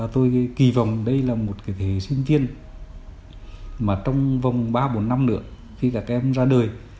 tôi kỳ vọng đây là một thế hệ sinh viên mà trong vòng ba bốn năm nữa khi các em ra đời